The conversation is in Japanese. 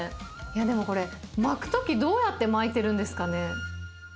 でもこれ、巻くとき、どうやって巻いてるんですかね？